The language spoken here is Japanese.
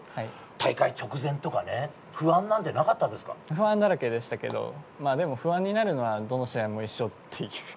大会直前とかね、不安なんて不安だらけでしたけど、でも、不安になるのはどの試合も一緒っていう。